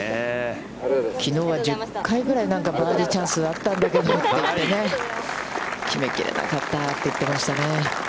きのうは１０回ぐらいバーディーチャンスがあったんだけど、決めきれなかったと言ってましたね。